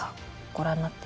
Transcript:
ご覧になって。